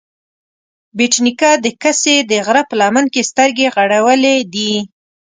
بېټ نيکه د کسې د غره په لمن کې سترګې غړولې دي